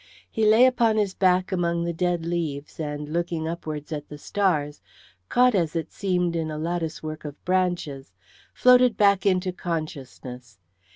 He lay upon his back among the dead leaves, and looking upwards at the stars, caught as it seemed in a lattice work of branches, floated back into consciousness.